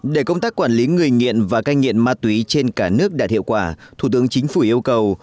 để công tác quản lý người nghiện và cai nghiện ma túy trên cả nước đạt hiệu quả thủ tướng chính phủ yêu cầu